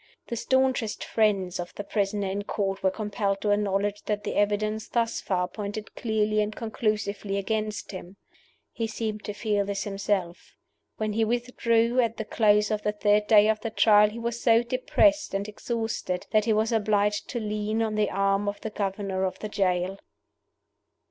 The staunchest friends of the prisoner in Court were compelled to acknowledge that the evidence thus far pointed clearly and conclusively against him. He seemed to feel this himself. When he withdrew at the close of the third day of the Trial he was so depressed and exhausted that he was obliged to lean on the arm of the governor of the jail.